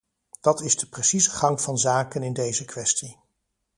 Dat is de precieze gang van zaken in deze kwestie.